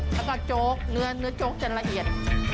แล้วก็โจ๊กเนื้อโจ๊กจะละเอียด